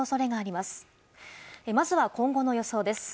まずは今後の予想です。